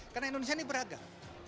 karena indonesia ini beragam